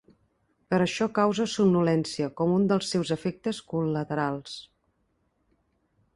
Per això causa somnolència com un dels seus efectes col·laterals.